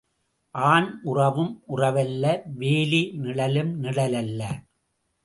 ஆண் உறவும் உறவல்ல வேலி நிழலும் நிழலல்ல.